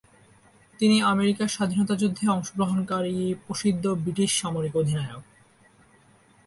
তিনি আমেরিকার স্বাধীনতা যুদ্ধে অংশগ্রহণকার প্রসিদ্ধ ব্রিটিশ সামরিক অধিনায়ক।